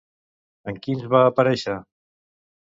En quins va aparèixer?